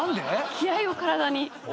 気合を体に。